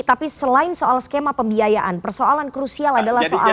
tapi selain soal skema pembiayaan persoalan krusial adalah soal